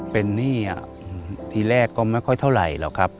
เป็นหนี้ทีแรกก็ไม่ค่อยเท่าไหร่หรอกครับ